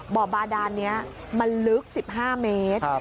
บ่อบาดานนี้มันลึก๑๕เมตร